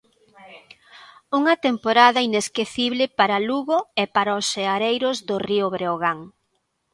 Unha temporada inesquecible para Lugo e para os seareiros do Río Breogán.